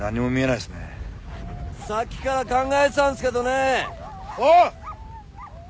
さっきから考えてたんですけどねおう！